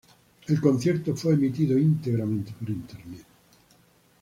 El concierto fue emitido íntegramente por internet.